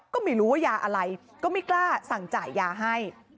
ก็ไม่รู้ว่ายาอะไรก็ไม่กล้าสั่งจ่ายยาให้